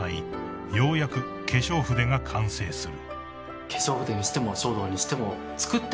ようやく化粧筆が完成する］